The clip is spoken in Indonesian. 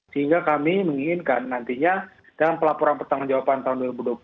sehingga kami menginginkan nantinya dalam pelaporan pertanggung jawaban tahun dua ribu dua puluh satu